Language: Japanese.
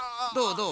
どう？